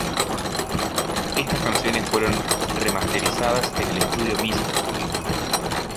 Estas canciones fueron remasterizadas en el estudio Mr.